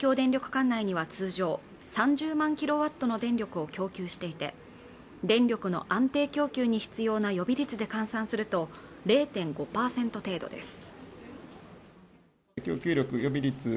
管内には通常３０万キロワットの電力を供給していて電力の安定供給に必要な予備率で換算すると０．５％程度です